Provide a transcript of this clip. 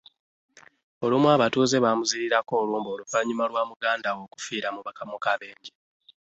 Olumu abatuuze baamuzirirako olumbe oluvannyuma lwa muganda we okufiira mu kabenje